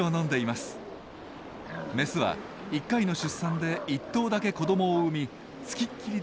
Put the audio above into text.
メスは１回の出産で１頭だけ子どもを産み付きっきりで面倒を見るんです。